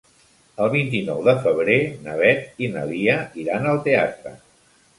El vint-i-nou de febrer na Beth i na Lia iran al teatre.